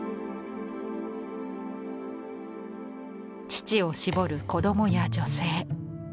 乳を搾る子どもや女性。